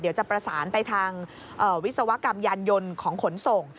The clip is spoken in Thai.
เดี๋ยวจะประสานไปทางวิศวกรรมยานยนต์ของขนส่ง